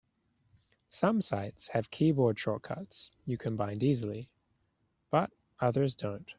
Some sites have keyboard shortcuts you can bind easily, but others don't.